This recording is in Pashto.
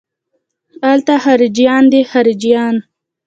الته خارجيان دي خارجيان.